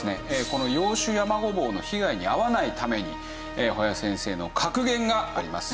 このヨウシュヤマゴボウの被害に遭わないために保谷先生の格言があります。